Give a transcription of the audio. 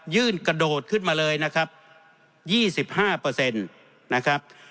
ยื่นกระโดดขึ้นมาเลยนะครับยี่สิบห้าเปอร์เซ็นต์นะครับ